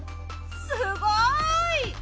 すごい！